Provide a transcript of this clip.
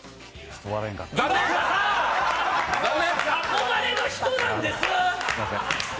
憧れの人なんです！